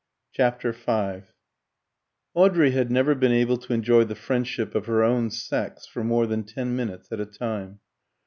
CHAPTER V Audrey had never been able to enjoy the friendship of her own sex for more than ten minutes at a time.